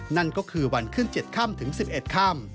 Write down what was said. นั่นก็คือวันขึ้น๗๑๑ค่ำ